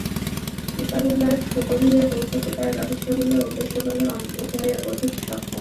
কিতাবুল্লাহর সুগভীরে পৌঁছতে তার রহস্যাবলী ও উদ্দেশ্যাবলী উদ্ধারে অধিক সক্ষম।